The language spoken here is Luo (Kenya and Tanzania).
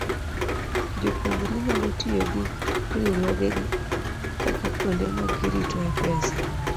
Jopuonjre nyalo tiyo gi riwruogegi kaka kuonde ma giritoe pesa.